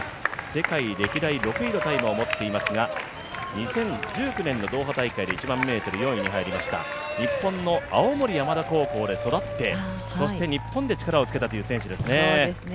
世界歴代６位のタイムを持っていますが、２０１９年のドーハ大会で１００００ｍ４位に入りました日本の青森山田高校に入って、そして日本で力をつけたという選手ですね。